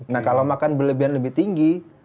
nah kalau makan berlebihan lebih tinggi